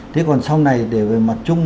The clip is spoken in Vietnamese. thế còn sau này để về mặt chung